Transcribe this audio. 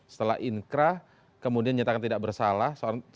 setelah inkrah kemudian nyatakan tidak bersalah